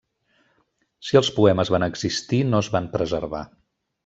Si els poemes van existir, no es van preservar.